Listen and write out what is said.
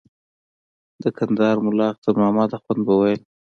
د کندهار ملا اختر محمد اخند به ویل.